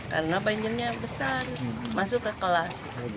karena banjirnya besar masuk ke kolam